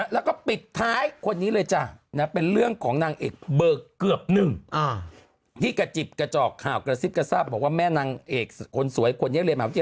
แล้วก็ปิดท้ายคนนี้เลยจ้ะนะเป็นเรื่องของนางเอกเบอร์เกือบหนึ่งอ่านี่กระจิบกระจอกข่าวกระซิบกระซ่าบอกว่าแม่นางเอกคนสวยคนยังไม่มี